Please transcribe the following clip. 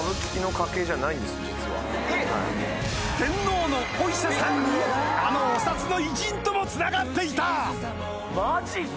天皇のお医者さんにあのお札の偉人ともつながっていたマジか！